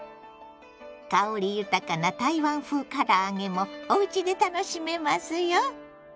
香り豊かな台湾風から揚げもおうちで楽しめますよ。